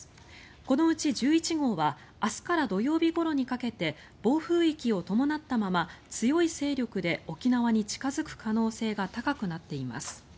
このうち１１号は明日から土曜日ごろにかけて暴風域を伴ったまま強い勢力で沖縄に近付く可能性が高くなっています。